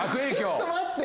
ちょっと待って。